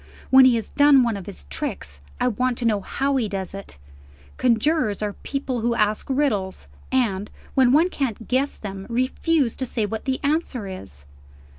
When he has done one of his tricks, I want to know how he does it. Conjurers are people who ask riddles, and, when one can't guess them, refuse to say what the answer is.